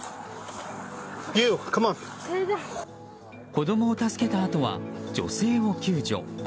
子供を助けたあとは女性を救助。